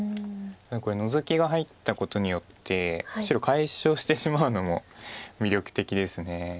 これノゾキが入ったことによって白解消してしまうのも魅力的です。